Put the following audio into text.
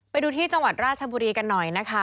ไปดูที่จังหวัดราชบุรีกันหน่อยนะคะ